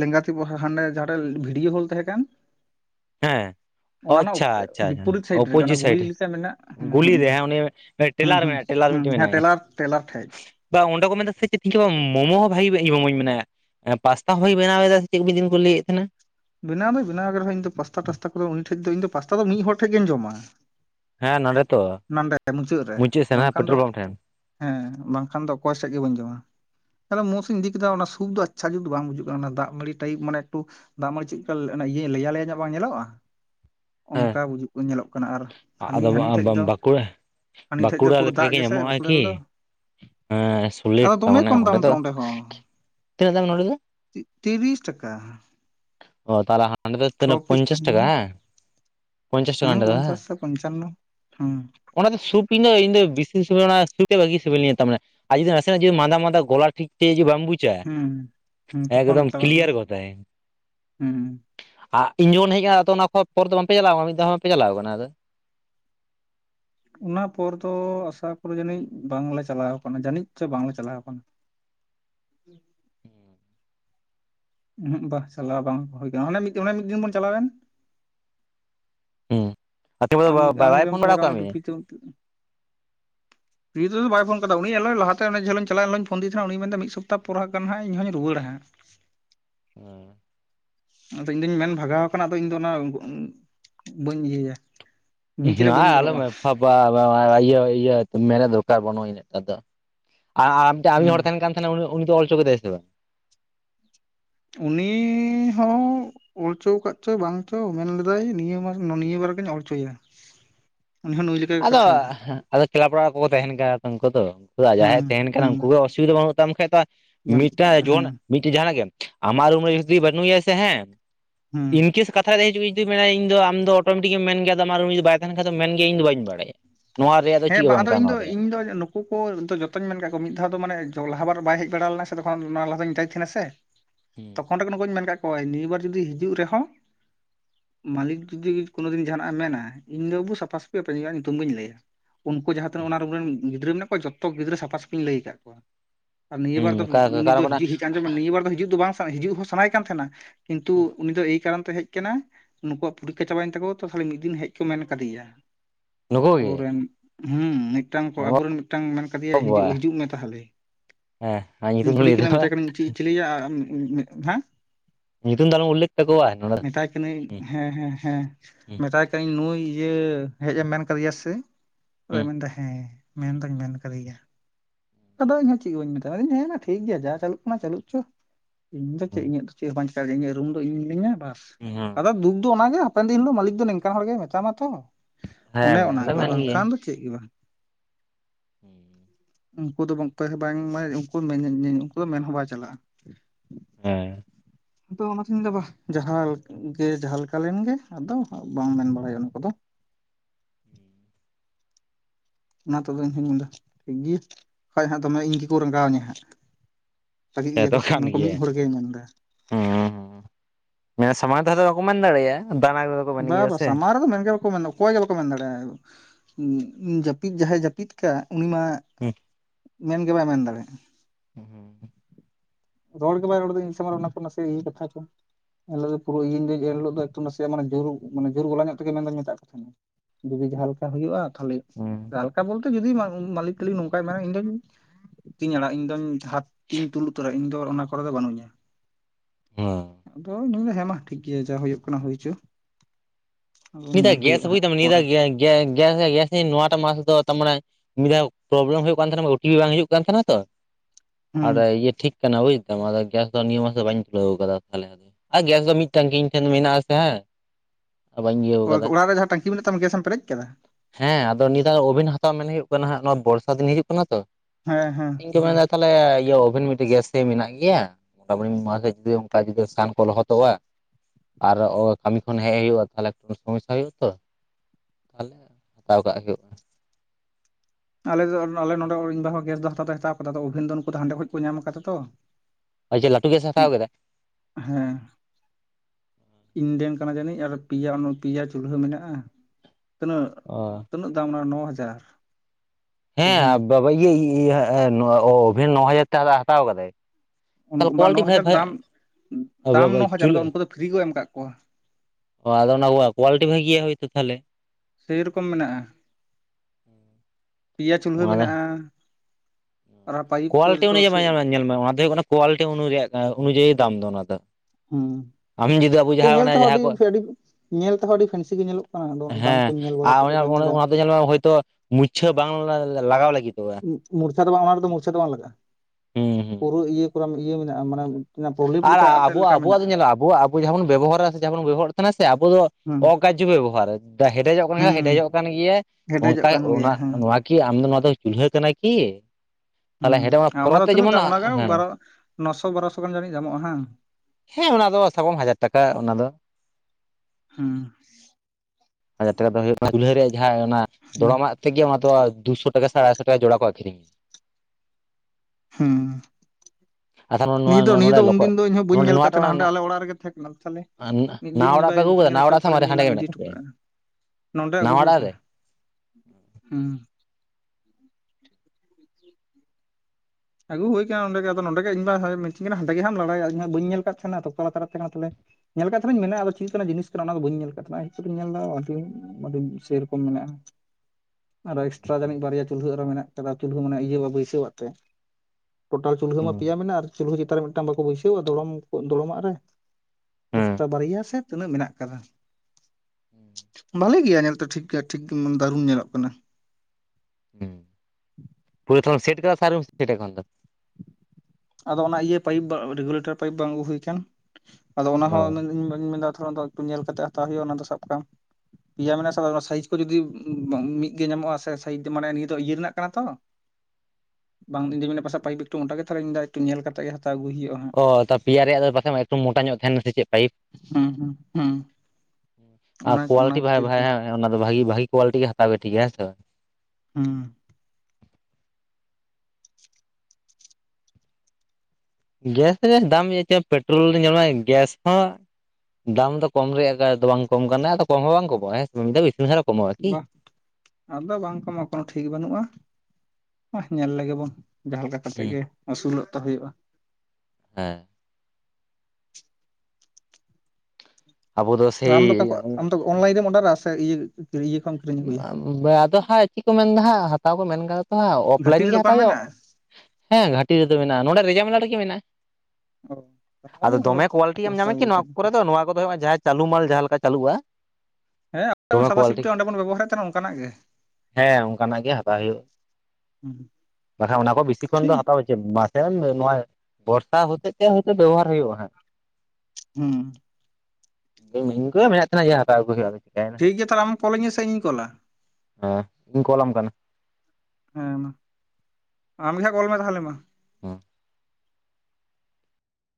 ᱞᱮᱸᱜᱟᱛᱤ ᱦᱟᱸᱰᱮ ᱡᱟᱦᱟ ᱴᱷᱮᱡᱸ ᱵᱷᱤᱰᱭᱳ ᱦᱚᱞ ᱛᱟᱦᱮᱸ ᱠᱟᱱ᱾ ᱦᱮᱸ᱾ ᱚ ᱚᱱᱟ ᱨᱮᱱᱟᱜ ᱟᱪᱪᱷᱟ ᱟᱪᱪᱷᱟ᱾ ᱵᱤᱯᱚᱨᱤᱛ ᱥᱟᱭᱤᱰ ᱨᱮᱜᱮ ᱚᱱᱟ ᱚᱯᱚᱡᱤᱴ ᱜᱩᱞᱤ ᱥᱟᱭᱤᱰ ᱨᱮ ᱞᱮᱠᱟ ᱢᱮᱱᱟᱜ ᱦᱮᱸ ᱜᱩᱞᱤ ᱦᱮᱸ ᱨᱮ ᱦᱟᱝ ᱩᱱᱤ ᱴᱮᱞᱟᱨ ᱦᱮᱸ ᱢᱮᱱᱟᱜᱼᱟ᱾ ᱴᱮᱞᱟᱨ ᱦᱮᱸ ᱢᱤᱫᱴᱮᱱ ᱦᱮᱸ ᱢᱮᱱᱟᱭᱟ᱾ ᱴᱮᱞᱟᱨ ᱴᱮᱞᱟᱨ ᱴᱷᱮᱡ ᱵᱟᱝ ᱚᱸᱰᱮ ᱠᱚ ᱢᱮᱱᱫᱟ ᱥᱮ ᱪᱮᱫ [unintelligible] ᱢᱳᱢᱳ ᱦᱚᱸ ᱵᱷᱟᱜᱤ ᱤᱭᱟᱹ ᱢᱳᱢᱳᱧ ᱢᱮᱱᱮᱜ ᱯᱟᱥᱛᱟ ᱦᱚᱸᱭ ᱵᱮᱱᱟᱣᱮᱫᱟ ᱥᱮ ᱪᱮᱫ ᱢᱤᱫ ᱫᱤᱱ ᱠᱚ ᱞᱟᱹᱭᱮᱫ ᱛᱟᱦᱮᱱᱟ᱾ ᱵᱮᱱᱟᱣ ᱫᱚᱭ ᱵᱮᱱᱟᱣ ᱜᱮ ᱨᱮᱦᱚᱸ ᱤᱧ ᱫᱚ ᱯᱟᱥᱛᱟ ᱴᱟᱥᱛᱟ ᱠᱚᱫᱚ ᱩᱱᱤ ᱴᱷᱮᱡ ᱫᱚ ᱤᱧᱫᱚ, ᱯᱟᱥᱛᱟ ᱫᱚ ᱢᱤᱫ ᱦᱚᱲ ᱴᱷᱮᱱ ᱜᱮᱧ ᱡᱚᱢᱟ᱾ ᱦᱮᱸ ᱱᱟᱸᱰᱮ ᱛᱚ? ᱱᱟᱰᱮ ᱢᱩᱪᱟᱹᱫ ᱨᱮ᱾ ᱥᱮᱱ ᱦᱟᱸᱜ ᱵᱟᱝᱠᱷᱟᱱ ᱫᱚ ᱯᱮᱴᱨᱳᱞ ᱯᱟᱢᱯ ᱴᱷᱮᱱ ᱦᱮᱸ ᱵᱟᱝᱠᱷᱟᱱ ᱫᱚ ᱚᱠᱚᱭ ᱥᱮᱫ ᱜᱮ ᱵᱟᱹᱧ ᱡᱚᱢᱟ᱾ ᱛᱟᱦᱚᱞ ᱢᱳᱢᱳᱥ ᱤᱧ ᱤᱫᱤ ᱠᱮᱫᱟ ᱚᱱᱟ ᱥᱩᱯ ᱫᱚ ᱟᱪᱪᱷᱟ ᱡᱩᱛ ᱫᱚ ᱵᱟᱝ ᱵᱩᱡᱩᱜ ᱠᱟᱱᱟ᱾ ᱚᱱᱟ ᱫᱟᱜ ᱢᱟᱲᱤ ᱴᱟᱭᱤᱯ ᱢᱟᱱᱮ ᱮᱠᱴᱩ ᱫᱟᱜ ᱢᱟᱲᱤ ᱪᱮᱫᱽᱠᱟ ᱤᱭᱟᱹ ᱞᱮᱭᱟ ᱞᱮᱭᱟ ᱧᱚᱜ ᱵᱟᱝ ᱧᱮᱞᱚᱜᱼᱟ᱾ ᱦᱮᱸ ᱚᱱᱠᱟ ᱵᱩᱡᱩᱜ ᱧᱮᱞᱚᱜ ᱠᱟᱱᱟ, ᱟᱨ ᱦᱟᱹᱱᱤ ᱟᱫᱚ ᱦᱟᱹᱱᱤ ᱴᱷᱮᱡ ᱫᱚ ᱵᱟᱸᱠᱩᱲᱟ ᱦᱟᱹᱱᱤ ᱴᱷᱮᱡ ᱫᱚ ᱵᱟᱸᱠᱩᱲᱟ ᱯᱩᱨᱟᱹ ᱞᱮᱠᱟ ᱫᱟᱜ ᱜᱮ ᱜᱮᱥᱮ ᱧᱟᱢᱚᱜᱼᱟ ᱵᱟᱸᱠᱩᱲᱟ ᱠᱤ? ᱨᱮᱫᱚ ᱦᱮᱸ ᱥᱩᱞᱮᱴ ᱟᱫᱚ ᱫᱚᱢᱮ ᱛᱟᱨᱢᱟᱱᱮ ᱠᱚᱢ ᱚᱸᱰᱮ ᱫᱟᱢ ᱛᱚ ᱫᱚ ᱦᱚᱸ ᱛᱤᱱᱟᱹᱜ ᱫᱟᱢ ᱱᱳᱣᱟ ᱞᱟᱭ ᱠᱮᱫᱟ ᱾ ᱛᱤᱨᱤᱥ ᱴᱟᱠᱟ᱾ ᱚ ᱛᱟᱦᱚᱞᱮ ᱦᱟᱸᱰᱮ ᱫᱚ ᱪᱷᱚ ᱛᱤᱱᱟᱹᱜ ᱯᱤᱥ ᱯᱚᱧᱪᱟᱥ ᱛᱟᱦᱮᱸ ᱴᱟᱠᱟ ᱞᱮᱱᱟ ᱦᱟᱝ ᱯᱚᱧᱪᱟᱥ ᱴᱟᱠᱟ ᱦᱩᱸ ᱦᱟᱸᱰᱮ ᱫᱚ ᱯᱚᱧᱪᱟᱥ ᱦᱟᱝ? ᱥᱮ ᱯᱚᱧᱪᱟᱱᱱᱚ ᱦᱮᱸ᱾ ᱚᱱᱟ ᱫᱚ ᱥᱩᱯ ᱤᱧ ᱫᱚ ᱤᱧ ᱫᱚ ᱵᱤᱥᱮ ᱥᱚᱢᱚᱭ ᱚᱱᱟ ᱥᱩᱯ ᱛᱮᱜ ᱵᱷᱟᱹᱜᱤ ᱥᱤᱵᱤᱞᱤᱧᱟ ᱛᱟᱨᱢᱟᱱᱮ᱾ ᱟᱨ ᱡᱩᱫᱤ ᱱᱟᱥᱮ ᱱᱟᱜ ᱡᱩᱫᱤ ᱢᱟᱸᱫᱟ ᱢᱟᱸᱫᱟ ᱜᱚᱞᱟ ᱴᱷᱤᱠ ᱛᱮ ᱡᱩᱫᱤ ᱵᱟᱢ ᱵᱩᱡᱽᱫᱟ- ᱟᱪᱪᱷᱟ, ᱦᱩᱸ ᱦᱩᱸ ᱛᱚᱠᱷᱚᱱ ᱮᱠᱫᱚᱢ ᱪᱟᱞᱟᱜ ᱢᱮ ᱠᱞᱤᱭᱟᱨ ᱜᱚᱫᱟᱭ᱾ ᱦᱩᱸ ᱟᱨ ᱤᱧ ᱡᱚᱠᱷᱚᱱ ᱦᱮᱡ ᱟᱠᱟᱱᱟ, ᱟᱫᱚ ᱚᱱᱟ ᱠᱷ ᱯᱚᱨ ᱫᱚ ᱵᱟᱯᱮ ᱪᱟᱞᱟᱣ ᱠᱟᱱᱟ ᱢᱤᱫ ᱫᱷᱟᱣ ᱦᱚᱸ ᱵᱟᱯᱮ ᱪᱟᱞᱟᱣ ᱠᱟᱱᱟ ᱟᱫᱚ? ᱚᱱᱟ ᱯᱚᱨ ᱫᱚ ᱟᱥᱟ ᱠᱚᱨᱤ ᱡᱟᱹᱱᱤᱡ ᱵᱟᱝᱞᱮ ᱪᱟᱞᱟᱣ ᱟᱠᱟᱱᱟ᱾ ᱡᱟᱹᱱᱤᱡ ᱪᱚ ᱵᱟᱝᱞᱮ ᱪᱟᱞᱟᱣ ᱟᱠᱟᱱᱟ᱾ ᱩᱸᱦᱩᱜ ᱵᱟ ᱪᱟᱞᱟᱣ ᱵᱟᱝ ᱦᱩᱭ ᱟᱠᱟᱱᱟ᱾ ᱟᱱᱮ ᱢᱤᱫ ᱫᱤᱱ ᱢᱤᱫ ᱫᱤᱱ ᱵᱚᱱ ᱪᱟᱞᱟᱣᱮᱱ᱾ ᱦᱩᱸ᱾ ᱟᱨ ᱛᱤᱦᱤᱧ ᱟᱢ ᱜᱟᱯᱟ ᱫᱚ ᱵᱟᱭ ᱟᱢᱜᱮᱢ ᱯᱷᱳᱱ ᱛᱟᱦᱮ ᱵᱟᱲᱟ ᱠᱟᱱ ᱟᱠᱟᱫ ᱚᱱᱮ ᱢᱮᱭᱟ ᱯᱤᱯᱤ ᱛᱩᱢ ᱱᱤᱛ ᱦᱟᱹᱵᱤᱡᱽ ᱫᱚ ᱵᱟᱭ ᱯᱷᱱ ᱟᱠᱟᱫᱟ᱾ ᱩᱱᱤ ᱮᱱᱦᱤᱞᱳᱜ ᱞᱟᱦᱟᱛᱮᱸ ᱚᱱᱮ ᱡᱮ ᱦᱤᱞᱳᱜ ᱤᱧ ᱪᱟᱞᱟᱭᱮᱱ ᱮᱱᱦᱤᱞᱳᱜ ᱤᱧ ᱯᱷᱚᱱᱟᱫᱤ ᱛᱟᱦᱮᱱᱟ᱾ ᱩᱱᱤᱭ ᱢᱮᱱᱫᱟ ᱢᱤᱫ ᱥᱚᱯᱛᱟᱦ ᱯᱚᱨ ᱜᱟᱱ ᱦᱟᱸᱜ ᱤᱧ ᱦᱚᱧ ᱨᱩᱣᱟᱹᱲᱟ ᱦᱟᱸᱜ᱾ ᱦᱮᱸ᱾ ᱟᱫᱚ ᱤᱧᱫᱚᱧ ᱢᱮᱱ ᱵᱷᱟᱜᱟᱣ ᱟᱠᱟᱱᱟ᱾ ᱟᱫᱚ ᱤᱧᱫᱚ ᱚᱱᱟ ᱵᱟᱹᱧ ᱤᱭᱟᱹᱭᱟ᱾ ᱵᱤᱪ ᱦᱮᱸ ᱨᱮ ᱵᱟᱹᱧ ᱟᱞᱚᱢ ᱵᱚᱞᱚᱜᱼᱟ ᱯᱷᱟ ᱵᱟ ᱵᱟ ᱤᱭᱟᱹ ᱤᱭᱟᱹ ᱢᱮᱱ ᱨᱮᱱᱟᱜ ᱫᱚᱨᱠᱟᱨ ᱵᱟᱹᱱᱩᱜᱼᱟ ᱤᱱᱟᱹᱜ ᱴᱟ ᱫᱚ᱾ ᱟᱨ ᱢᱤᱫᱴᱮᱱ ᱟᱨ ᱢᱤᱫ ᱦᱩᱸ ᱦᱚᱲ ᱛᱟᱦᱮᱱ ᱠᱟᱱ ᱛᱟᱦᱮᱱ ᱩᱱᱤ ᱩᱱᱤ ᱫᱚ ᱚᱞ ᱪᱳ ᱠᱮᱟᱫᱟᱭ ᱥᱮ ᱵᱟᱝ? ᱤᱸᱧ ᱦᱚᱸ ᱚᱞ ᱪᱳ ᱟᱠᱟᱫ ᱪᱚᱭ ᱵᱟᱝ ᱪᱚ, ᱢᱮᱱ ᱞᱮᱫᱟᱭ ᱱᱤᱭᱟᱹ ᱱᱤᱭᱟᱹ ᱵᱟᱨ ᱜᱤᱧ ᱚᱞᱪᱳᱭᱟ᱾ ᱩᱱᱤ ᱦᱚᱸ ᱱᱩᱭ ᱞᱮᱠᱟ ᱟᱫᱚ ᱟᱫᱚ ᱠᱞᱟᱵᱽ ᱚᱲᱟᱜ ᱞᱮᱠᱟ ᱠᱚ ᱛᱟᱦᱮᱱ ᱠᱟᱱᱟ ᱩᱱᱠᱩ ᱛᱚ ᱩᱱᱠᱩ ᱫᱚ᱾ ᱦᱩᱸ ᱡᱟᱦᱟᱸᱭᱮ ᱛᱟᱦᱮᱱ ᱠᱟᱱᱟ ᱦᱩᱸ ᱩᱱᱠᱩᱟᱜ ᱜᱮ ᱚᱥᱩ- ᱚᱥᱩᱵᱤᱫᱟ ᱵᱟᱹᱱᱩᱜ ᱛᱟᱢ ᱠᱷᱟᱡ ᱛ ᱵᱟᱹᱱᱩᱜ ᱢᱤᱫᱴᱟᱝ ᱡᱚᱱ ᱦᱩᱸ [unintelligible] ᱢᱤᱫᱴᱤᱡ ᱡᱟᱦᱟᱱᱟᱜ ᱜᱮ ᱟᱢᱟᱜ ᱨᱩᱢ ᱨᱮ ᱡᱩᱫᱤ ᱵᱟᱹᱱᱩᱭᱟ ᱥᱮ ᱦᱮᱸ ᱦᱩᱸ ᱤᱱᱠᱮᱥ ᱠᱟ- ᱠᱟᱛᱷᱟ ᱨᱮ [unintelligible] ᱡᱩᱫᱤ ᱢᱮᱱᱟ ᱤᱧ ᱫᱚ ᱟᱢ ᱫᱚ ᱚᱴᱳᱢᱮᱴᱤᱠ ᱮᱢ ᱢᱮᱱ ᱜᱮᱭᱟᱢ ᱟᱫᱚ ᱟᱢᱟᱜ ᱨᱩᱢ ᱨᱮ ᱵᱟᱭ ᱛᱟᱦᱮᱱ ᱠᱷᱟᱱ ᱫᱚ ᱢᱮᱱ ᱜᱮᱭᱟ ᱤᱧ ᱫᱚ ᱵᱟᱹᱧ ᱵᱟᱲᱟᱭᱟ᱾ ᱱᱚᱣᱟ ᱨᱮᱭᱟᱜ ᱫᱚ ᱪᱮᱫ ᱦᱮᱸ ᱵᱟ ᱦᱚᱸ ᱵᱟᱝ ᱟᱫᱚ ᱠᱟᱱᱟ ᱤᱧ ᱱᱚᱣᱟ ᱫᱚ᱾ ᱤᱧ ᱫᱚ ᱟᱭᱟᱜ ᱱᱩᱠ ᱩᱱᱠᱩ ᱠᱚ ᱡᱚᱛᱚᱧ ᱢᱮᱱ ᱟᱠᱟᱫ ᱠᱚᱣᱟ ᱢᱤᱫ ᱫᱷᱟᱣ ᱫᱚ ᱢᱟᱱᱮ ᱡᱚ ᱞᱟᱦᱟ ᱵᱟᱨ ᱵᱟᱭ ᱦᱮᱡ ᱵᱟᱲᱟ ᱞᱮᱱᱟ ᱥᱮ ᱛᱚᱠᱷᱱ ᱚᱱᱟ ᱞᱟᱦᱟᱫᱚᱧ ᱢᱮᱛᱟᱫᱮ ᱛᱟᱦᱮᱱᱟ ᱥᱮ᱾ [inaudible] ᱦᱮᱸ᱾ ᱛᱚᱠᱷᱚᱱ ᱨᱮᱜᱮ ᱱᱩᱠᱩᱧ ᱢᱮᱱ ᱠᱟᱜ ᱠᱚᱣᱟᱧ, ᱱᱤᱭᱟᱹ ᱵᱟᱨ ᱡᱩᱫᱤ ᱦᱤᱡᱩᱜ ᱨᱮᱦᱚᱸ ᱢᱟᱹᱞᱤᱠ ᱡᱩᱫᱤ ᱠᱳᱱᱳᱫᱤᱱ ᱡᱟᱦᱟᱱᱟᱜ ᱮ ᱢᱮᱱᱟᱭ ᱤᱧ ᱫᱚ ᱵᱟᱹᱵᱩ ᱥᱟᱯᱷᱟ-ᱥᱟᱹᱯᱷᱤ ᱟᱯᱮᱭᱟᱜ ᱧᱩᱛᱩᱢ ᱜᱮᱧ ᱞᱟᱹᱭᱟ᱾ ᱩᱱᱠᱩ ᱡᱟᱦᱟᱸ ᱛᱤᱱᱟᱹᱜ ᱚᱱᱟ ᱨᱩᱢ ᱨᱮᱱ ᱜᱤᱫᱽᱨᱟᱹ ᱢᱮᱱᱟᱜ ᱠᱚᱣᱟ ᱡᱚᱛᱚ ᱜᱤᱫᱽᱨᱟᱹ ᱥᱟᱯᱷᱟ ᱥᱟᱯᱷᱤᱧ ᱞᱟᱹᱭ ᱠᱟᱜ ᱠᱚᱣᱟ᱾ ᱟᱨ ᱱᱤᱭᱟᱹ ᱵᱟᱨ ᱫᱚ ᱦᱩᱸ ᱩᱱᱤ ᱠᱟᱨᱚᱱ ᱫᱚ ᱠᱟᱱᱟ ᱦᱤᱡᱩᱜ ᱦᱮᱡ [unintelligible] ᱟᱸᱡᱚᱢ ᱢᱮ ᱱᱤᱭᱟᱹ ᱵᱟᱨ ᱫᱚ ᱦᱤᱡᱩᱜ ᱫᱚ ᱵᱟᱝ ᱥᱟᱱᱟ ᱦᱤᱡᱩᱜ ᱦᱚᱸ ᱥᱟᱱᱟᱭᱮ ᱠᱟᱱ ᱛᱟᱦᱮᱱᱟ᱾ ᱠᱤᱱᱛᱩ ᱩᱱᱤ ᱫᱚ ᱮᱭ ᱠᱟᱨᱚᱱ ᱛᱮ ᱦᱮᱡ ᱠᱮᱱᱟᱭ, ᱱᱩᱠᱩᱣᱟᱜ ᱯᱚᱨᱤᱠᱠᱷᱟ ᱪᱟᱵᱟᱭᱮᱱ ᱛᱟᱠᱚᱣᱟ ᱛᱚ ᱛᱟᱦᱚᱞᱮ ᱢᱤᱫ ᱫᱤᱱ ᱦᱮᱡ ᱠᱚ ᱢᱮᱱ ᱠᱟᱫᱮᱭᱟ᱾ ᱱᱩᱠᱩ ᱜᱮ ᱟᱵᱚᱨᱮᱱ ᱦᱮᱸ ᱢᱤᱫᱴᱟᱝ ᱠᱚ ᱟᱵᱚᱨᱮᱱ ᱢᱤᱫᱴᱟᱝ ᱢᱮᱱ- ᱠᱟᱫᱮᱭᱟᱭ ᱦᱤᱡᱩᱜ ᱵᱟ ᱦᱤᱡᱩᱜ ᱢᱮ ᱛᱟᱦᱚᱞᱮ᱾ ᱦᱮᱸ ᱟᱨ ᱤᱧ ᱧᱩᱛᱩᱢ ᱦᱚᱸ ᱠᱩᱠᱤ ᱞᱟᱹᱭ ᱠᱟᱱᱟ ᱛᱟᱠᱚᱣᱟ ᱢᱮᱛᱟᱭ ᱠᱟᱱᱟᱹᱧ ᱪᱤ-ᱪᱮᱞᱮᱭᱟ᱾ ᱦᱮᱸ, ᱧᱩᱛᱩᱢ ᱫᱚ ᱟᱞᱚᱢ ᱩᱞᱞᱮᱠᱷ ᱛᱟᱠᱚᱣᱟ ᱱᱚᱰᱮ ᱫᱚ ᱢᱮᱛᱟᱭ ᱠᱟᱹᱱᱟᱹᱧ᱾ ᱦᱩᱸ ᱦᱮᱸ ᱦᱮᱸ ᱦᱮᱸ᱾ ᱢᱮᱛᱟᱭ ᱠᱟᱹᱱᱟᱹᱧ ᱱᱩᱭ ᱤᱭᱟᱹ ᱦᱮᱡ ᱮᱢ ᱢᱮᱱ ᱠᱟᱫᱮᱭᱟ ᱥᱮ? ᱟᱫᱚᱭ ᱦᱩᱸ ᱢᱮᱱᱫᱟ ᱦᱮᱸ ᱢᱮᱱᱫᱩᱧ ᱢᱮᱱ ᱠᱟᱫᱮᱭᱟ᱾ ᱟᱫᱚ ᱤᱧᱦᱚᱸ ᱪᱮᱫ ᱜᱤ ᱵᱟᱹᱧ ᱢᱮᱛᱣᱟ ᱟᱫᱚᱧ ᱦᱮᱸ ᱢᱟ ᱴᱷᱤᱠ ᱜᱮᱭᱟ ᱡᱟ ᱪᱟᱹᱞᱩᱜ ᱠᱟᱱᱟ ᱪᱟᱹᱞᱩᱜ ᱪᱚ᱾ ᱤᱧ ᱫᱚ ᱪᱮᱫ ᱤᱧᱟᱹᱜ ᱫᱚ ᱪᱮᱫ ᱦᱚᱸ ᱵᱟᱧ ᱪᱮᱠᱟᱜᱮ, ᱤᱧᱟᱹᱜ ᱨᱩᱢ ᱫᱚ ᱤᱧ ᱢᱤᱱᱟᱹᱧᱟ ᱵᱟᱥ᱾ ᱦᱩᱸ ᱦᱩᱸ ᱟᱫᱟ ᱫᱩᱠ ᱫᱚ ᱚᱱᱟᱜᱮ- ᱦᱟᱯᱮᱱ ᱫᱤᱱ ᱦᱤᱞᱳᱜ ᱢᱟᱹᱞᱤᱠ ᱫᱚ ᱱᱮᱝᱠᱟᱱ ᱦᱚᱲ ᱜᱮ ᱢᱮᱛᱟᱢᱟ ᱛᱚ, ᱦᱮᱸ ᱚᱱᱮ ᱢᱮᱱ ᱫᱚ ᱚᱱᱟᱜᱮ ᱢᱮᱱ ᱜᱮᱭᱟᱹᱧ ᱵᱟᱝᱠᱷᱟᱱ ᱫᱚ᱾ ᱪᱮᱫ ᱜᱮ ᱵᱟᱝ᱾ ᱩᱱᱠᱩ ᱫᱚ ᱵᱟᱝ ᱢ ᱩᱱᱠᱩ ᱫᱚ ᱢᱮᱱᱦ ᱵᱟᱭ [unintelligible] ᱪᱟᱞᱟᱜᱼᱟ᱾ ᱦᱮᱸ᱾ ᱟᱫᱚ ᱚᱱᱟᱛᱤᱧ ᱢᱮᱱᱫᱟ ᱵᱟ ᱡᱟᱦᱟᱸ ᱜᱮ ᱡᱟᱦᱟᱸ ᱞᱮᱠᱟ ᱞᱮᱱᱜᱮ ᱟᱫᱚ ᱵᱟᱝ ᱢᱮᱱ ᱵᱟᱲᱟᱭᱚᱜᱼᱟ ᱚᱱᱟ ᱠᱚᱫᱚ᱾ ᱚᱱᱟ ᱛᱚᱵᱮ ᱤᱧ ᱦᱚᱧ ᱢᱮᱱ ᱮᱫᱟ ᱴᱷᱤᱠ ᱜᱮᱭᱟ᱾ᱵᱟᱠᱷᱟᱡ ᱦᱟᱸᱜ ᱫᱚᱢᱮ ᱤᱧ ᱜᱮᱠᱚ ᱨᱟᱸᱜᱟᱣᱤᱧᱟᱹ ᱦᱟᱸᱜ᱾ ᱨᱟᱹᱜᱤᱜ ᱥᱮ ᱜᱮᱭᱟ ᱫᱚ ᱠᱚ ᱠᱟᱱ ᱢᱮᱱᱟᱠᱚ ᱢᱤᱫ ᱜᱮᱭᱟ᱾ ᱦᱚᱲ ᱜᱮᱭ ᱢᱮᱱᱫᱟ ᱦᱮᱸ᱾ ᱢᱟᱱᱮ ᱥᱚᱢᱟᱝ ᱫᱦᱟᱨᱮ ᱫᱚ ᱵᱟᱠᱚ ᱢᱮᱱ ᱫᱟᱲᱮᱭᱟᱜᱼᱟ ᱫᱟᱱᱟᱝ ᱨᱮ- ᱵᱟ ᱵᱟ ᱥᱟᱢᱟᱝ ᱨᱮᱫᱚ ᱢᱮᱱᱜᱮ ᱵᱟᱠᱚ ᱢᱮᱱᱚ, ᱚᱠᱚᱭ ᱜᱮ ᱵᱟᱠᱚ ᱢᱮᱱ ᱫᱟᱲᱮᱭᱟᱜᱼᱟ ᱡᱟᱹᱯᱤᱫ ᱡᱟᱦᱟᱸᱭ ᱡᱟᱹᱯᱤᱫ᱾ ᱠᱟᱜ ᱩᱱᱤ ᱢᱟ ᱦᱩᱸ ᱢᱮᱱᱜᱮ ᱵᱟᱭ ᱢᱮᱱ ᱫᱟᱲᱮᱭᱟᱜᱼᱟ᱾ ᱦᱩᱸ ᱦᱩᱸ᱾ ᱨᱚᱲ ᱜᱮ ᱵᱟᱭ ᱨᱚᱲᱫᱟ ᱤᱧ ᱥᱚᱢᱟᱝ ᱚᱱᱟ ᱠᱚ ᱱᱟᱥᱮ ᱮ ᱠᱟᱛᱷᱟ ᱠᱚ᱾ ᱮᱱᱦᱤᱞᱜ ᱫᱚ ᱯᱩᱨᱟᱹ ᱤᱧ ᱫᱚ ᱡᱮᱦᱤᱞᱳᱜ [unintelligible] ᱫᱚ ᱮᱠᱫᱚᱢ ᱱᱟᱥᱮᱭᱟᱜ ᱢᱟᱱᱮ ᱡᱩᱨ ᱢᱟᱱᱮ ᱡᱩᱨ ᱜᱚᱞᱟ ᱧᱚᱜ ᱛᱮᱜᱮ ᱢᱮᱱᱫᱚᱧ ᱢᱮᱛᱟᱜ ᱠᱚ ᱛᱟᱦᱮᱸᱱᱟ᱾ ᱡᱩᱫᱤ ᱡᱟᱦᱟᱸ ᱞᱮᱠᱟ ᱦᱩᱭᱩᱜᱼᱟ᱾ ᱛᱟᱦᱚᱞᱮ ᱡᱟᱦᱟᱞᱮᱠᱟ ᱵᱳᱞᱛᱮ ᱡᱩᱫᱤ ᱢᱟᱞᱤᱠ ᱛᱟᱹᱞᱤᱠ ᱱᱚᱝᱠᱟᱭ ᱢᱮᱱᱟ ᱤᱧ ᱫᱚᱧ ᱛᱤᱧ ᱟᱲᱟᱜ ᱤᱧ ᱫᱚᱧ- ᱦᱟᱛ-ᱛᱤᱧ ᱛᱩᱞ ᱩᱛᱟᱹᱨᱟ ᱤᱧ ᱫᱚ ᱚᱱᱟ ᱠᱚᱨᱮ ᱫᱚ ᱵᱟᱹᱱᱩᱧᱟ᱾ ᱦᱮᱸ ᱟᱫᱚ [unintelligible] ᱦᱮᱸ ᱢᱟ ᱴᱷᱤᱠ ᱜᱮᱭᱟ ᱡᱟ ᱦᱩᱭᱩᱜ ᱠᱟᱱᱟ ᱦᱩᱭᱪᱚ᱾ ᱢᱤᱫᱼᱫᱷᱟ ᱜᱮᱥ ᱦᱟᱸᱜ ᱵᱩᱡᱷᱫᱟᱢ ᱯᱚᱨᱮ ᱱᱤᱭᱟᱹᱫᱷᱟᱣ [unintelligible] ᱱᱚᱣᱟ ᱴᱟᱜ ᱢᱟᱥ ᱫᱚ ᱛᱟᱢᱚᱱᱮ᱾ ᱢᱤᱫ ᱫᱷᱟᱣ ᱯᱨᱚᱵᱞᱮᱢ ᱦᱩᱭᱩᱜ ᱠᱟᱱ ᱛᱟᱦᱮᱱᱟ ᱵᱟᱝ ᱳ ᱴᱤ ᱯᱤ ᱵᱟᱝ ᱦᱤᱡᱩᱜ ᱠᱟᱱ ᱛᱟᱦᱮᱱᱟ ᱛᱚ, ᱦᱩᱸ ᱟᱫᱚ ᱤᱭᱟᱹ ᱴᱷᱤᱠ᱾ ᱠᱟᱱᱟ ᱵᱩᱡᱽ ᱫᱟᱢ ᱟᱫᱚ ᱜᱮᱥ ᱫᱚ ᱱᱤᱭᱟᱹ ᱢᱟᱥ ᱫᱚ ᱵᱟᱧ ᱛᱩᱞᱟᱹᱣ ᱠᱟᱫᱟ ᱛᱟᱦᱞᱮ᱾ ᱟᱨ ᱜᱮᱥ ᱫᱚ ᱢᱤᱫ ᱴᱟᱝᱠᱤ ᱤᱧ ᱴᱷᱮᱱ ᱢᱮᱱᱟᱜ-ᱟ ᱥᱮ ᱦᱮᱸ᱾ ᱵᱟᱹᱧ ᱤᱭᱟᱹᱣ ᱦᱳᱭ ᱠᱟᱫᱟ ᱚᱲᱟᱜ ᱨᱮ ᱡᱟᱦᱟᱸ ᱴᱟᱝᱠᱤ ᱢᱮᱱᱟᱜ ᱛᱟᱢᱟ ᱜᱮᱥᱮᱢ ᱯᱮᱨᱮᱡ ᱠᱟᱫᱟ? ᱦᱮᱸ ᱟᱫᱚ ᱱᱤᱭᱟᱹ ᱫᱷᱟᱣ ᱳᱵᱷᱮᱱ ᱦᱟᱛᱟᱣ ᱢᱮᱱ ᱦᱩᱭᱩᱜ ᱠᱟᱱᱟ ᱦᱟᱸᱜ ᱱᱚᱣᱟ ᱵᱚᱨᱥᱟ ᱫᱤᱱ ᱦᱤᱡᱩᱜ ᱠᱟᱱᱟ ᱛᱚ᱾ ᱦᱮᱸ ᱦᱮᱸ ᱤᱧ ᱠᱚ ᱢᱮᱱᱮᱫᱟ ᱛᱟᱦᱞᱮ ᱤᱭᱟᱹ ᱳᱵᱷᱮᱱ ᱢᱤᱫᱴᱤᱡ ᱜᱮᱥ ᱥᱮᱭ ᱢᱮᱱᱟᱜ ᱜᱮᱭᱟ᱾ ᱥᱟᱨᱟᱵᱚᱱᱤ ᱢᱟᱥ ᱨᱮ ᱡᱩᱫᱤ ᱚᱱᱠᱟ ᱡᱩᱫᱤ ᱥᱟᱦᱟᱱ ᱠᱚ ᱞᱚᱦᱚᱫᱚᱜᱼᱟ᱾ ᱟᱨ ᱚ ᱠᱟᱹᱢᱤ ᱠᱷᱚᱱ ᱦᱮᱡ ᱦᱩᱭᱩᱜᱼᱟ ᱛᱟᱦᱚᱞᱮ᱾ ᱥᱚᱢᱳᱥᱥᱟ ᱦᱩᱭᱩᱜᱼᱟ ᱛᱚ ᱛᱟᱦᱚᱞᱮ ᱦᱟᱛᱟᱣ ᱠᱟᱜ ᱦᱩᱭᱩᱜᱼᱟ᱾ ᱟᱞᱮ ᱫᱚ ᱟᱞᱮ ᱱᱚᱰᱮ ᱦᱚᱸ ᱤᱧ ᱵᱟ ᱦᱚᱸ ᱜᱮᱥ ᱫᱚ ᱦᱟᱛᱟᱣ ᱫᱚᱭ ᱦᱟᱛᱟᱣ ᱠᱟᱫᱟ ᱟᱫᱚ ᱳᱵᱷᱮᱱ ᱫᱚ ᱱᱩᱠᱩ ᱫᱚ ᱦᱟᱸᱰᱮ ᱠᱷᱚᱸᱡ ᱠᱚ ᱧᱟᱢ ᱠᱟᱫᱟ ᱛᱚ᱾ ᱦᱚᱭ ᱪᱮ ᱞᱟᱴᱩ ᱜᱮᱥ ᱮ ᱦᱟᱛᱟᱣ ᱠᱟᱫᱟ ᱦᱮᱸ ᱤᱧ ᱴᱷᱮᱱ ᱠᱟᱱᱟ ᱡᱟᱹᱱᱤᱡ ᱟᱨ ᱯᱮᱭᱟ ᱚᱱᱚᱞ ᱯᱮᱭᱟ ᱪᱩᱞᱦᱟᱹ ᱢᱮᱱᱟᱜᱼᱟ ᱛᱤᱱᱟᱹᱜ ᱚ ᱛᱤᱱᱟᱹᱜ ᱫᱟᱢ ᱚᱱᱟ ᱱᱚ ᱦᱟᱡᱟᱨ ᱳᱵᱷᱮᱱ ᱦᱮᱸ ᱵᱟᱵᱟ ᱤᱭᱟᱹ ᱤᱭᱟ. ᱳᱵᱷᱮᱱ ᱱᱚ ᱦᱟᱡᱟᱨ ᱛᱮ ᱦᱟᱛᱟᱣ ᱠᱟᱫᱟᱭ ᱛᱟᱦᱚᱞᱮ ᱩᱱᱠᱩ ᱵᱟ ᱱᱚ ᱠᱳᱣᱟᱞᱤᱴᱤ ᱵᱷᱟᱭ ᱦᱟᱡᱟᱨ ᱫᱟᱢ ᱫᱟᱢ ᱱᱚ ᱵᱷᱟᱭ ᱦᱟᱡᱟᱨ ᱫᱚ ᱩᱱᱠᱩ ᱫᱚ ᱯᱷᱨᱤ ᱠᱚ ᱮᱢ ᱟᱠᱟᱫ ᱠᱚᱣᱟ ᱚ ᱟᱫᱚ ᱚᱱᱟ ᱚ ᱠᱚᱣᱟᱞᱤᱴᱤ ᱵᱷᱟᱜᱤᱭᱟ ᱦᱳᱭᱛᱳ ᱛᱟᱦᱚᱞᱮ ᱥᱮ ᱨᱚᱠᱚᱢ ᱢᱮᱱᱟᱜᱼᱟ ᱯᱤᱭᱟ ᱪᱩᱞᱦᱟᱹ ᱚᱱᱟ ᱢᱮᱱᱟᱜᱼᱟ ᱟᱨ ᱯᱟᱭᱤᱯ ᱠᱚ ᱠᱚᱣᱟᱞᱤᱴᱤ ᱡᱚᱛᱚ ᱚᱱᱩᱡᱟᱭᱤ ᱥᱮ ᱵᱟᱭ ᱧᱟᱡ ᱞᱮ ᱧᱮᱞ ᱢᱮ ᱚᱱᱟ ᱫᱚ ᱦᱩᱭᱩᱜ ᱠᱟᱱᱟ ᱠᱚᱣᱟᱞᱤᱴᱤ ᱚᱱᱩᱡᱟᱭᱤ ᱫᱟᱢ ᱫᱚ ᱱᱚᱣᱟ ᱫᱚ ᱦᱩᱸ ᱟᱵᱤᱱ ᱡᱩᱫᱤ ᱟᱵᱚ ᱥᱮ ᱡᱟᱦᱟᱸ ᱧᱮᱞ ᱚᱱᱮ ᱛᱮᱦᱚᱸ ᱡᱟᱦᱟᱸ ᱟᱹᱰᱤ ᱠᱚ ᱟᱹᱰᱤ ᱧᱮᱞ ᱛᱮᱦᱚᱸ ᱟᱹᱰᱤ ᱯᱷᱮᱱᱥᱤ ᱜᱮ ᱧᱮᱞᱚᱜ ᱠᱟᱱᱟ ᱟᱫᱚ ᱫᱟᱢ ᱦᱮᱸ ᱠᱚᱧ ᱧᱮᱞ ᱵᱟᱲᱟ ᱟᱨ ᱚᱱᱮ ᱠᱮᱫᱟ ᱚᱱᱟ ᱫᱚ ᱧᱮᱞ ᱢᱮ ᱦᱳᱭᱛᱳ ᱢᱩᱪᱷᱟᱹ ᱵᱟᱝ ᱞᱟᱣ ᱞᱟᱜᱟ. ᱣ ᱞᱟᱹᱜᱤᱫᱚᱜᱼᱟ ᱢᱩᱨᱪᱟ ᱫᱚ ᱵᱟᱝ ᱚᱱᱟ ᱨᱮᱫᱚ ᱢᱩᱨᱪᱟ ᱫᱚ ᱵᱟᱝ ᱞᱟᱜᱟ ᱟ, ᱦᱩᱸ ᱦᱩᱸ ᱯᱩᱨᱟᱹ ᱤᱭᱟᱹ ᱠᱚᱨᱟ ᱤᱭᱟᱹ ᱢᱮᱱᱟᱜᱼᱟ ᱢᱟᱱᱮ ᱯᱨᱚᱞᱤᱯ ᱟᱨ ᱞᱮᱠᱟ ᱟᱴᱮᱫ ᱟᱵᱚ ᱞᱮᱠᱟ ᱟᱵᱚ ᱭᱟᱜ ᱢᱮᱱᱟᱜᱼᱟ ᱧᱮᱞᱚᱜ ᱟᱵ ᱡᱟᱦᱟᱸ ᱵᱚᱱ ᱵᱮᱵᱚᱦᱟᱨᱟ ᱥᱮ ᱡᱟᱦᱟᱸ ᱵᱚᱱ ᱵᱮᱵᱚᱦᱟᱨ ᱛᱟᱦᱮᱱ ᱱᱟᱥᱮ ᱟᱵᱚ ᱫᱚ ᱦᱩᱸ ᱚ ᱜᱟᱡᱽᱡᱷᱚ ᱵᱮᱵᱚᱦᱟᱨ ᱦᱮᱰᱮᱡᱚᱜ ᱠᱟᱱ ᱠᱷᱟᱱ ᱦᱩᱸ ᱦᱮᱰᱮᱡᱚᱜ ᱠᱟᱱ ᱜᱮᱭᱟᱭ ᱦᱮᱰᱮᱡᱚᱜ ᱚᱱᱠᱟ ᱠᱟᱱ ᱜᱮᱭᱟ ᱚᱱᱟ ᱦᱮᱸ ᱱᱚᱣᱟ ᱠᱤ ᱟᱢ ᱫᱚ ᱱᱚᱣᱟ ᱫᱚ ᱪᱩᱞᱦᱟᱹ ᱠᱟᱱᱟ ᱠᱤ ᱦᱩᱸ ᱛᱟᱦᱚᱞᱮ ᱦᱮᱰᱮᱡ ᱟᱨ ᱚᱱᱟ ᱫᱚ ᱯᱷᱚᱨᱚᱛᱮ ᱛᱤᱱᱟᱹᱜ ᱡᱮᱢᱚᱱ ᱫᱟᱢ ᱚᱱᱟ ᱜᱮ ᱦᱮᱸ ᱵᱟᱨᱚ ᱱᱚᱥᱚ ᱵᱟᱨᱚᱥᱚ ᱜᱟᱱ ᱡᱟᱹᱱᱤᱡ ᱫᱟᱢᱚᱜᱼᱟ ᱦᱮᱸ ᱦᱮᱸ ᱚᱱᱟ ᱫᱚ ᱥᱟᱵ ᱠᱟᱵ ᱢᱮ ᱦᱟᱡᱟᱨ ᱴᱟᱠᱟ ᱚᱱᱟ ᱫᱚ ᱦᱩᱸᱢ ᱦᱟᱡᱟᱨ ᱴᱟᱠᱟ ᱫᱚ ᱦᱩᱭᱩᱜ ᱠᱟᱱᱟ ᱪᱩᱞᱦᱟᱹ ᱨᱮᱭᱟᱜ ᱡᱟᱦᱟᱸ ᱚᱱᱟ ᱦᱩᱸ ᱫᱚᱲᱚᱢᱟᱜ ᱴᱷᱤᱠ ᱜᱮ ᱢᱟ ᱛᱚ ᱫᱩᱥᱚ ᱴᱟᱠᱟ ᱥᱮ ᱟᱲᱟᱭ ᱥᱚ ᱴᱟᱠᱟ ᱡᱚᱲᱟ ᱠᱚ ᱡᱳᱲᱟ ᱠᱚ ᱟ. ᱠᱷᱤᱨᱤᱧᱟ ᱦᱩᱸᱢ ᱟᱨ ᱱᱚᱣᱟ ᱱᱤᱭᱟᱹ ᱫᱚ ᱱᱤᱭᱟᱹ ᱱᱚᱰᱮ ᱫᱚ ᱩᱱ ᱫᱤᱱ ᱞᱚᱠᱚ ᱫᱚ ᱤᱧ ᱦᱚᱸ ᱵᱟᱹᱧ ᱱᱚᱰᱮ ᱧᱮᱞ ᱠᱟᱫ ᱛᱟᱦᱮᱸᱱᱟ ᱱᱚᱣᱟᱴᱟᱜ ᱦᱟᱸᱰᱮ ᱟᱞᱮ ᱚᱲᱟᱜ ᱨᱮᱜᱮ ᱛᱟᱦᱮᱸ ᱠᱟᱱᱟ ᱛᱟᱞᱦᱮ ᱢᱤᱫ ᱫᱤᱱ ᱱᱟᱣᱟ ᱤᱧ ᱚᱲᱟᱜ ᱯᱮ ᱵᱟᱭ ᱟᱹᱜᱩ ᱢᱤᱛᱟᱹᱧ ᱟᱠᱟᱫᱟ ᱠᱟᱱᱟ ᱱᱟᱣᱟ ᱪᱚ ᱚᱲᱟᱜ ᱥᱮ ᱛᱟᱦᱞᱮ ᱢᱟᱨᱮ ᱱᱤᱭᱟᱹ ᱦᱟᱸᱰᱮ ᱞᱟᱝ ᱜᱮ ᱤᱫᱤ ᱢᱮᱱᱟᱜ ᱦᱚᱴᱚ ᱛᱟᱯᱮᱭᱟ? ᱠᱟᱜᱼᱟ ᱱᱚᱰᱮ ᱟᱹᱜᱩ ᱱᱟᱣᱟ ᱦᱩᱭ ᱚᱲᱟᱜ ᱠᱟᱱᱟ ᱨᱮ? ᱦᱩᱸ ᱟᱹᱜᱩ ᱦᱩᱭ ᱠᱟᱱᱟ ᱱᱚᱰᱮ ᱜᱮ ᱟᱫᱚ ᱱᱚᱰᱮ ᱜᱮ ᱤᱧᱵᱟ ᱢᱤᱛᱟ. ᱧ ᱠᱟᱱᱟ ᱦᱟᱸᱰᱮ ᱜᱮ ᱦᱟᱸᱜ ᱞᱟᱲᱟᱭᱟ ᱤᱧ ᱢᱟ ᱵᱟ. ᱧ ᱧᱮᱞ ᱠᱟᱫ ᱛᱟᱦᱮᱱᱟ ᱛᱚᱠᱛᱟ ᱞᱟᱛᱟ ᱨᱮ ᱛᱟᱦᱮ ᱠᱟᱱᱟ ᱛᱟᱦᱞᱮ ᱧᱮᱞ ᱠᱟᱜ ᱛᱟᱦᱮ ᱱᱟᱹᱧ ᱢᱮᱱᱟᱜ-ᱟ ᱟᱫᱚ ᱪᱮᱫ ᱠᱟᱱᱟ ᱡᱤᱱᱤᱥ ᱠᱟᱱᱟ ᱚᱱᱟ ᱫᱚ ᱵᱟᱹᱧ ᱧᱮᱞ ᱠᱟᱫ ᱛᱟᱦᱮᱱᱟ ᱦᱤᱛᱳᱜ ᱤᱧ ᱧᱮᱞ ᱫᱟ ᱟᱹᱰᱤ ᱥᱮ ᱨᱚᱠᱚᱢ ᱢᱮᱱᱟᱜᱼᱟ ᱟᱨ ᱮᱥᱴᱮᱨᱟ ᱡᱟᱹᱱᱤᱡ ᱵᱟᱨᱭᱟ ᱪᱩᱞᱦᱟᱹ ᱟᱨᱚ ᱢᱮᱱᱟᱜ ᱠᱟᱫᱟ ᱪᱩᱞᱦᱟᱹ ᱢᱟᱱᱮ ᱤᱭᱟᱹ ᱢᱟᱱᱮ ᱵᱟᱹᱭ ᱥᱟᱹᱣ ᱛᱮ ᱴᱳᱴᱟᱞ ᱪᱩᱞᱦᱟᱹ ᱢᱟ ᱯᱮᱭᱟ ᱢᱮᱱᱟᱜᱼᱟ ᱟᱨ ᱪᱩᱞᱦᱟᱹ ᱪᱮᱛᱟᱱ ᱨᱮ ᱢᱤᱫ ᱴᱟᱝ ᱵᱟᱠᱚ ᱵᱟᱹᱭ ᱥᱟᱹᱣᱼᱟ ᱫᱚᱲᱚᱢ ᱢᱟᱜ ᱨᱮ ᱮᱥᱴᱟᱨᱟ ᱵᱟᱨᱭᱟ ᱥᱮ ᱛᱤᱱᱟᱹᱜ ᱢᱮᱱᱟᱜ ᱠᱟᱫᱟ ᱦᱩᱸᱢ ᱵᱷᱟᱤ ᱜᱮᱭᱟ ᱧᱮᱞᱛᱮ ᱴᱷᱤᱠ ᱜᱮᱭᱟ ᱴᱷᱤᱠ ᱜᱤ ᱫᱟᱨᱩᱢ ᱧᱮᱞᱚᱜ ᱠᱟᱱᱟ ᱦᱩᱸ ᱯᱩᱨᱟᱹ ᱛᱷᱟᱦᱞᱮᱢ ᱥᱮᱴ ᱠᱟᱫᱟ ᱥᱮ ᱟᱣᱨᱤᱢ ᱥᱮᱴ ᱟ ᱮᱠᱷᱚᱱ ᱫᱚ ᱟᱫᱚ ᱚᱱᱟ ᱤᱭᱟᱹ ᱯᱟᱭᱤᱯ ᱨᱮᱜᱩᱞᱮᱴᱟᱨ ᱯᱟᱭᱤᱯ ᱵᱟᱝ ᱟᱹᱜᱩ ᱦᱩᱭ ᱠᱟᱱ ᱟᱫᱚ ᱚᱱᱟ ᱦᱩᱧ ᱢᱮᱱ ᱫᱟ ᱛᱷᱳᱲᱟ ᱫᱚ ᱧᱮᱞ ᱠᱟᱛᱮᱜ ᱦᱟᱛᱟᱣ ᱦᱩᱭᱩᱜᱼᱟ ᱚᱱᱟ ᱫᱚ ᱥᱟᱵ ᱠᱟᱜ ᱟᱢ ᱯᱮᱭᱟ ᱢᱮᱱᱟᱜᱼᱟ ᱥᱮ ᱚᱱᱟ ᱥᱟᱭᱤᱡᱽ ᱠᱚ ᱡᱩᱫᱤ ᱢᱤᱫ ᱜᱮ ᱧᱟᱢᱚᱜᱼᱟ ᱥᱮ ᱥᱟᱭᱤᱡᱽ ᱫᱚ ᱢᱟᱱᱮ ᱤᱭᱟᱹ ᱫᱚ ᱤᱭᱟ. ᱨᱮᱱᱟᱜ ᱠᱟᱱᱟ ᱛᱚ ᱵᱟᱝ ᱤᱧ ᱫᱩᱧ ᱢᱮᱱᱫᱟ ᱯᱟᱥᱮ ᱯᱟᱭᱤᱯ ᱮᱠᱴᱩ ᱢᱳᱴᱟ ᱜᱮ ᱛᱟᱦᱚᱞᱮ ᱢᱮᱱ ᱫᱟ ᱮᱠᱴᱩ ᱧᱮᱞ ᱠᱟᱛᱮᱜ ᱜᱮ ᱦᱟᱛᱟᱣ ᱟᱹᱜᱩ ᱦᱩᱭᱩᱜᱼᱟ ᱦᱟᱸᱜ ᱚ ᱛᱟ ᱯᱮᱭᱟ ᱨᱮᱭᱟᱜ ᱫᱚ ᱟᱨ ᱯᱟᱥᱮ ᱮᱠᱴᱩ ᱢᱚᱴᱟ ᱧᱚᱜ ᱛᱟᱦᱮᱱᱟ ᱥᱮ ᱪᱮᱫ ᱯᱟᱭᱤᱯ ᱦᱮᱸ ᱦᱩᱸ ᱦᱮᱸ ᱟᱨ ᱠᱳᱣᱟᱞᱤᱴᱤᱸ ᱵᱷᱟᱭᱟ ᱜᱮ ᱵᱷᱟᱭᱟ ᱚᱱᱟ ᱫᱚ ᱵᱷᱟᱜᱤ ᱵᱷᱟᱜᱤ ᱠᱳᱣᱟᱞᱤᱴᱤ ᱜᱮ ᱦᱟᱛᱟᱣ ᱜᱮ ᱴᱷᱤᱠ ᱟ ᱦᱮᱸᱥᱮ ᱵᱟ ᱦᱩᱸ ᱜᱮᱥ ᱨᱮᱭᱟᱜ ᱫᱟᱢ ᱧᱮᱞᱛᱮ ᱯᱮᱴᱨᱳᱞ ᱧᱮᱞ ᱢᱮ ᱜᱮᱥ ᱦᱚᱸ ᱫᱟᱢ ᱫᱚ ᱠᱚᱢ ᱨᱮᱭᱟᱜ ᱫᱚ ᱵᱟᱝ ᱠᱚᱢ ᱠᱟᱱᱟ ᱟᱫᱚ ᱠᱚᱢ ᱦᱚᱸ ᱵᱟᱝ ᱠᱚᱢᱚᱜᱼᱟ ᱦᱮᱥᱮ ᱢᱤᱫ ᱫᱷᱟ ᱵᱤᱥᱤ ᱞᱮᱠᱷᱟᱱ ᱵᱟ ᱟᱫᱚ ᱵᱟᱝ ᱠᱚᱢᱚ ᱠᱳᱱᱳ ᱴᱷᱤᱠ ᱵᱟᱹᱱᱩᱜᱼᱟ ᱵᱟ ᱧᱮᱞ ᱞᱮᱜᱮ ᱵᱚᱱ ᱡᱟᱦᱟᱸ ᱞᱮᱠᱟ ᱠᱟᱛᱮᱜ ᱜᱮ ᱟᱹᱥᱩᱞᱚᱜ ᱛᱚ ᱦᱩᱭᱩᱜᱼᱟ ᱦᱮᱸ ᱟᱵᱚ ᱟᱢ ᱫᱚ ᱚᱠᱟ ᱥᱮᱭ ᱠᱷᱚᱡ ᱟᱢ ᱫᱚ ᱚᱱᱞᱟᱭᱤᱱ ᱨᱮᱢ ᱚᱰᱟᱨᱟ ᱥᱮ ᱤᱭᱟᱹ ᱤᱭᱟᱹ ᱠᱷᱚᱱ ᱟᱫᱚ ᱦᱟᱸᱜ ᱪᱮᱫ ᱠᱚ ᱢᱮᱱᱫᱟ ᱦᱟᱸᱜ ᱦᱟᱛᱟᱣ ᱠᱚ ᱢᱮᱱ ᱠᱟᱫᱟ ᱛᱚ ᱦᱟᱸᱜ ᱜᱷᱟᱴᱤ ᱨᱮ ᱚᱯᱷᱞᱟᱭᱤᱱ ᱜᱮ ᱦᱟᱛᱟᱣ ᱫᱚᱠᱟᱱ ᱦᱩᱭᱩᱜᱼᱟ ᱢᱮᱱᱟᱜᱼᱟ ᱦᱮᱸ ᱜᱷᱟᱴᱤ ᱨᱮᱫᱚ ᱢᱮᱱᱟᱜᱼᱟ ᱱᱚᱰᱮ ᱨᱟᱡᱟᱢᱮᱞᱟ ᱨᱮᱜᱮ ᱢᱮᱱᱟᱜᱼᱟ ᱚ ᱛᱟᱦᱚᱞᱮ ᱟᱫᱚ ᱚᱱᱟ ᱠᱚ ᱫᱚᱢᱮ ᱠᱚᱣᱟᱞᱤᱴᱤ ᱮᱢ ᱦᱟᱛᱟᱣ ᱧᱟᱢᱟ ᱟᱹᱜᱩ ᱠᱤ ᱱᱚᱣᱟ ᱞᱮᱠᱷᱟᱡ ᱠᱚᱨᱮ ᱫᱚ ᱱᱚᱣᱟ ᱠᱚᱫᱚ ᱦᱩᱭᱩᱜᱼᱟ ᱡᱟᱦᱟᱸ ᱪᱟᱹᱞᱩ ᱢᱟᱞ ᱡᱟᱦᱟᱸ ᱞᱮᱠᱟ ᱪᱟᱹᱞᱩᱜᱼᱟ ᱦᱮᱸ ᱟᱯᱮ ᱫᱚᱢᱮ ᱥᱟᱫᱟ ᱠᱳᱣᱟᱞᱤᱴᱤ ᱥᱤᱯᱴᱤ ᱚᱰᱮ ᱵᱚᱱ ᱵᱮᱵᱚᱦᱟᱨᱮᱫ ᱛᱟᱦᱮᱱᱟ ᱚᱱᱠᱟᱱᱟᱜ ᱜᱮ ᱦᱮᱸ ᱚᱱᱠᱟᱱᱟᱜ ᱜᱮ ᱦᱟᱛᱟᱣ ᱦᱩᱭᱩᱜᱼᱟ ᱦᱩᱸ ᱵᱟᱠᱷᱟᱱ ᱚᱱᱟ ᱠᱚ ᱵᱤᱥᱤ ᱠᱷᱚᱱ ᱫᱚ ᱴᱷᱤᱠ ᱦᱟᱛᱟᱣ ᱢᱟᱥᱮ ᱱᱚᱣᱟ ᱵᱚᱨᱥᱟ ᱦᱚᱛᱮ ᱛᱮᱭ ᱵᱮᱵᱚᱦᱟᱨ ᱦᱩᱭᱩᱜᱼᱟ ᱦᱟᱸᱜ ᱦᱩᱸ ᱤᱧ ᱤᱧᱜᱚ ᱢᱮᱫ ᱛᱟᱦᱮᱱᱟ ᱡᱮ ᱦᱟᱛᱟᱣ ᱟᱹᱜᱩ ᱦᱩᱭᱩᱜᱼᱟ ᱪᱮᱹᱠᱟᱭᱱᱟᱭ ᱴᱷᱤᱠ ᱜᱮᱭᱟ ᱛᱟᱦᱞᱮ ᱟᱢ ᱠᱚᱞᱟᱧᱟ ᱥᱮ ᱤᱧ ᱠᱚᱞᱟ ᱦᱮᱸ ᱤᱧ ᱠᱚᱞᱟᱢ ᱠᱟᱱᱟ ᱦᱮᱸ ᱢᱟ ᱟᱢ ᱜᱮ ᱦᱟᱜ ᱠᱚᱞ ᱢᱮ ᱛᱟᱦᱚᱞᱮ ᱢᱟ ᱦᱮᱸ